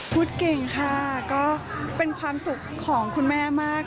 พูดเก่งค่ะก็เป็นความสุขของคุณแม่มาก